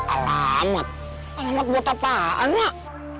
alamat alamat buat apaan mak